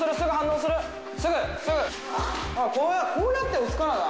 こうやって押すからだ。